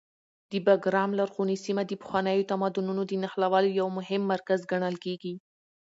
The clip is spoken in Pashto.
د بګرام لرغونې سیمه د پخوانیو تمدنونو د نښلولو یو مهم مرکز ګڼل کېږي.